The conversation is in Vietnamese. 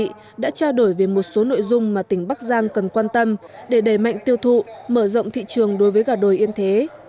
hội nghị đã trao đổi về một số nội dung mà tỉnh bắc giang cần quan tâm để đẩy mạnh tiêu thụ mở rộng thị trường đối với gà đồi yên thế